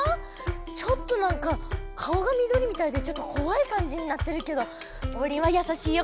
ちょっとなんか顔がみどりみたいでちょっとこわいかんじになってるけどオウリンはやさしいよ